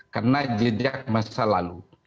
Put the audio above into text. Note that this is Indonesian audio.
karena jejak masa lalu